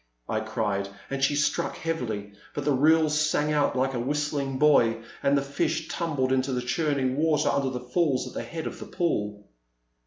I cried, and she struck heavily, but the reel sang out like a whistling buoy, and the fish tumbled into the churning water under the falls at the head of the pool.